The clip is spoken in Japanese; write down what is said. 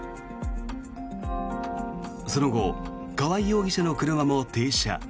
その後、川合容疑者の車も停車。